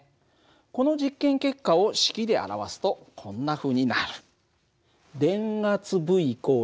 この実験結果を式で表すとこんなふうになる。